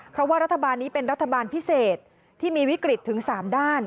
เพราะว่ารัฐบาลนี้เป็นรัฐบาลพิเศษที่มีวิกฤตถึง๓ด้าน